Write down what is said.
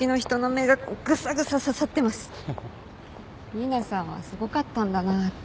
新名さんはすごかったんだなって。